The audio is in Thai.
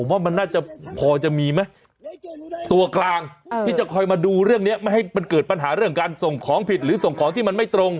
ว่ามันน่าจะพอจะมีไหมตัวกลางที่จะคอยมาดูเรื่องนี้ไม่ให้มันเกิดปัญหาเรื่องการส่งของผิดหรือส่งของที่มันไม่ตรง